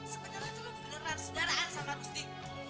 sebenarnya tuh lo beneran sedaraan sama rusti